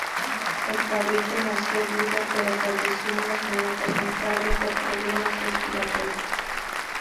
El cabrito nació vivo pero falleció unos minutos más tarde por problemas respiratorios.